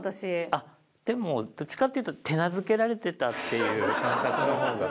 あっでもどっちかっていうと手なずけられてたっていう感覚の方が。